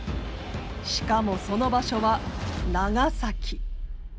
しかもその場所は長崎。